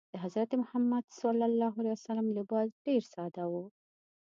د حضرت محمد ﷺ لباس ډېر ساده و.